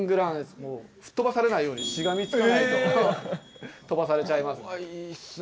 もうふっ飛ばされないようにしがみつかないと飛ばされちゃいますね。